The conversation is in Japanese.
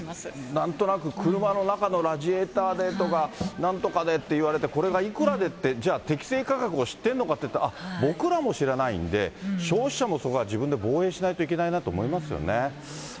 なんとなく、車の中のラジエーターでとか、なんとかでって言われて、これがいくらでって、じゃあ、適正価格を知ってるのかっていったら、あっ、僕らも知らないんで、消費者もそこは自分で防衛しないといけないなと思いますよね。